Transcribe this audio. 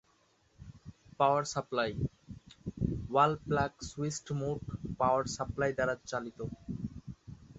পাওয়ার supply: wall plug switched mode power supply দ্বারা চালিত।